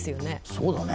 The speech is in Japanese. そうだね。